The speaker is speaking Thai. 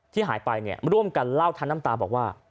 ที่หายไปเนี่ยร่วมกันเล่าท่านตั้มตาบอกว่า